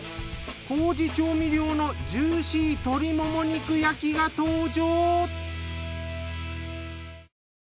麹調味料のジューシー鶏もも肉焼きが登場。